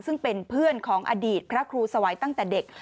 ซึ่งเป็นเพื่อนของอดีตพระครูสวัยตั้งแต่เด็ก